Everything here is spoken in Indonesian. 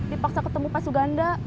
dipaksa ketemu pak suganda